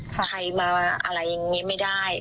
ใครมาอะไรอย่างนี้ไม่ได้